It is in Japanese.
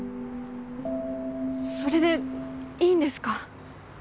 それでいいんですか？